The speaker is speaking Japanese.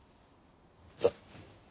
さあ。